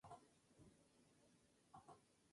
A menudo ha sido descrito como un administrador honesto.